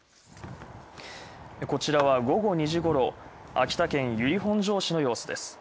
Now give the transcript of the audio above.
こちらは午後２時ごろ、秋田県由利本荘市の様子です。